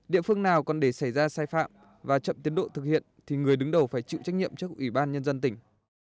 địa phương nào còn để xảy ra sai phạm và chậm tiến độ thực hiện thì người đứng đầu phải chịu trách nhiệm trước ủy ban nhân dân tỉnh